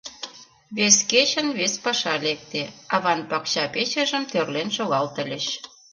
Вес кечын вес паша лекте: аван пакча печыжым тӧрлен шогалтыльыч.